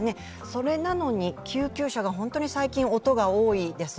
それなのに救急車が本当に最近、音が多いです。